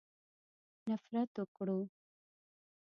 نفرت وکړو.